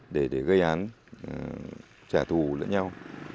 để gây án trả thù lẫn nhau